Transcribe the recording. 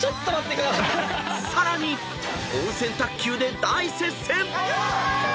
［さらに温泉卓球で大接戦！］